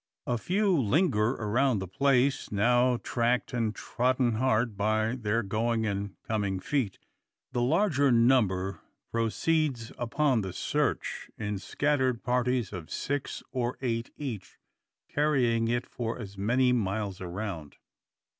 A few linger around the place, now tracked and trodden hard by their going and coming feet. The larger number proceeds upon the search, in scattered parties of six or eight each, carrying it for as many miles around.